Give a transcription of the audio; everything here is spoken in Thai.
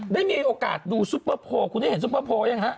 ได้มีโอกาสดูซุปเปอร์โพลคุณได้เห็นซุปเปอร์โพลยังฮะ